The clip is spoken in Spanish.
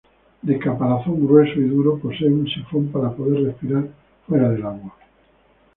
De caparazón grueso y duro posee un sifón para poder respirar fuera del agua.